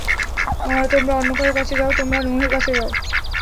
তোমরা অন্য কারো কাছে যাও, তোমরা নূহের কাছে যাও।